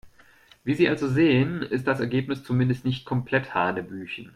Wie Sie also sehen, ist das Ergebnis zumindest nicht komplett hanebüchen.